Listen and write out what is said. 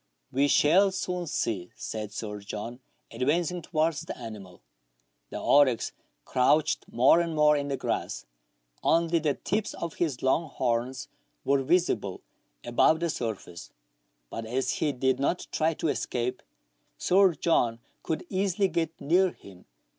" We shall soon see," said Sir John, advancing towards the animal. The oryx crouched more and more in the grass ; only the tips of his long horns were visible above the surface ; but as he did not try to escape. Sir John could easily get near him.